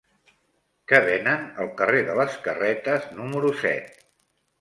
Què venen al carrer de les Carretes número set?